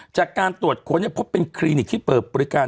จากการตรวจค้นพบเป็นคลินิกที่เปิดบริการ